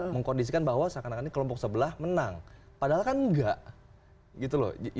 mengkondisikan bahwa seakan akan ini kelompok sebelah menang padahal kan enggak gitu loh